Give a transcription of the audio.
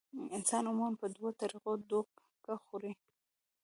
انسان عموماً پۀ دوه طريقو دوکه خوري -